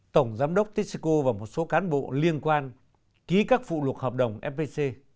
tổng giám đốc texaco và một số cán bộ liên quan ký các phụ luật hợp đồng fpc